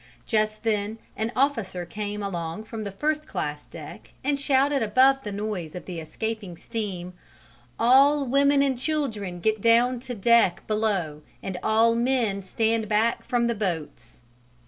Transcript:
Just then an officer came along from the first class deck and shouted above the noise of escaping steam, "All women and children get down to deck below and all men stand back from the boats."